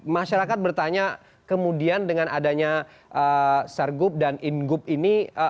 masyarakat bertanya kemudian dengan adanya sergup dan ingup ini